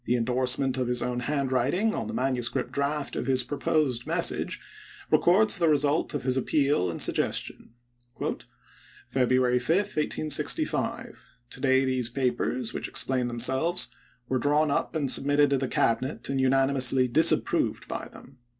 The in dorsement of his own handwriting on the manu script draft of his proposed message records the result of his appeal and suggestion :" February 5, 1865. To day these papers, which explain themselves, were drawn up and submitted to the Cabinet and unanimously disapproved by them.